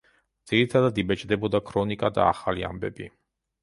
ძირითადად იბეჭდებოდა ქრონიკა და ახალი ამბები.